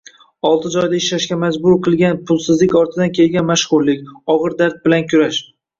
Olti joyda ishlashga majbur qilgan pulsizlik ortidan kelgan mashhurlik, og‘ir dard bilan kurash